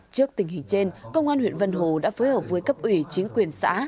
trước tình hình trên công an huyện vân hồ đã phối hợp với cấp ủy chính quyền xã